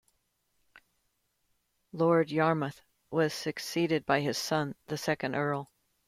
Lord Yarmouth was succeeded by his son, the second Earl.